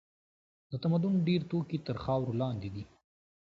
د تمدن ډېر توکي تر خاورو لاندې دي.